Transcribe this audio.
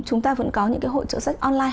chúng ta vẫn có những cái hội trợ sách online